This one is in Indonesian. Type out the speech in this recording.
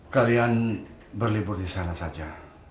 kalian berlibur di sana saja